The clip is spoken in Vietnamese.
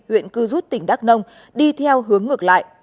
huyện cư rút tỉnh đắk nông đi theo hướng ngược lại